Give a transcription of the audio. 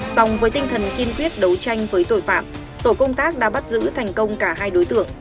song với tinh thần kiên quyết đấu tranh với tội phạm tổ công tác đã bắt giữ thành công cả hai đối tượng